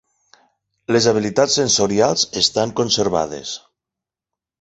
Les habilitats sensorials estan conservades.